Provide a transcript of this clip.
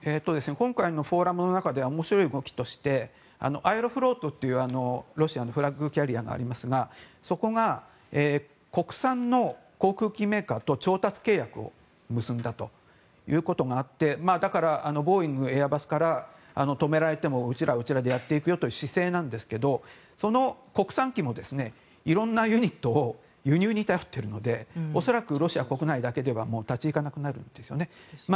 今回のフォーラムの中で面白い動きとしてアエロフロートという、ロシアのフラッグキャリアがありますがそこが国産の航空機メーカーと調達契約を結んだという動きがありましてだからボーイングエアバスから止められてもうちらはうちらでやっていくよという姿勢なんですけどその国産機もいろんなユニットを輸入に至るというので恐らくロシア国内だけでは立ち行かなくなるんですね。